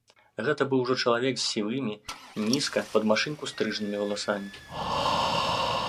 Гэта быў ужо чалавек з сівымі, нізка, пад машынку стрыжанымі валасамі.